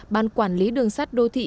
ban quản lý đường sắt đô thị